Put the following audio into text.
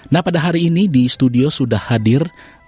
nah pada hari ini di studio sudah hadir